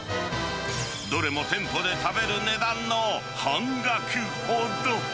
どれも店舗で食べる値段の半額ほど。